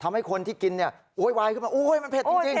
ทำให้คนที่กินเนี่ยโวยวายขึ้นมามันเผ็ดจริง